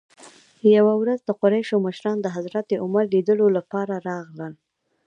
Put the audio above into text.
یوې ورځ د قریشو مشران د حضرت عمر لیدلو لپاره راغلل.